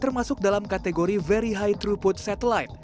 termasuk dalam kategori very high throughput satellite